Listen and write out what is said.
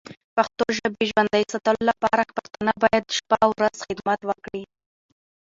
پښتو ژبی ژوندی ساتلو لپاره پښتانه باید شپه او ورځ خدمت وکړې.